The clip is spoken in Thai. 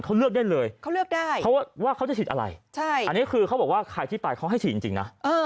เขาเลือกได้เลยเขาเลือกได้เพราะว่าเขาจะฉีดอะไรอันนี้คือเขาบอกว่าใครที่ไปเขาให้ฉีดจริงนะ